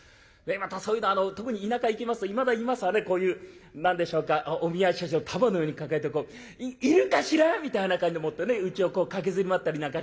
またそういうのは特に田舎行きますといまだいますわねこういう何でしょうかお見合い写真を束のように抱えて「いるかしら？」みたいな感じでもってねうちをこう駆けずり回ったりなんか。